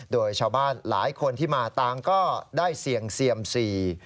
โดยชาวบ้านหลายคนที่มาต่างก็ได้เสี่ยงเซียมสี่